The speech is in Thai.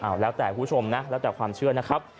แล้วแต่คุณผู้ชมนะแล้วแต่ความเชื่อนะครับ